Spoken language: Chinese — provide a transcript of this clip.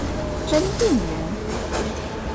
真定人。